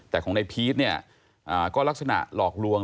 แต่ของในพีทก็ลักษณะหลอกลวง